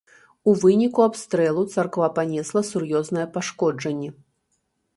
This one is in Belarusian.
У выніку абстрэлу царква панесла сур'ёзныя пашкоджанні.